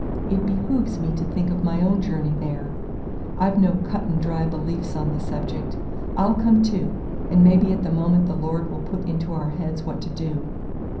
It behooves me to think of my own journey there. I've no cut and dry beliefs on the subject. I'll come too; and maybe at the moment the Lord will put into our heads what to do."